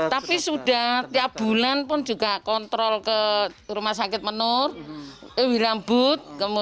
tapi sudah tiap bulan pun juga kontrol ke rumah sakit menur wirambut